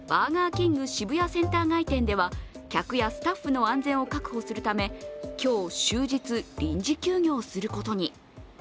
キング渋谷センター街店では客やスタッフの安全を確保するため、今日終日、臨時休業することに。